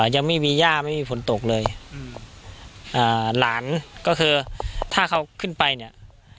ยังไม่มีย่าไม่มีฝนตกเลยอืมอ่าหลานก็คือถ้าเขาขึ้นไปเนี่ย